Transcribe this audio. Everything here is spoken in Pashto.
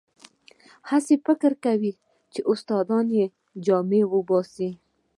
هسې فکر کوي استادان یې جامې وباسي.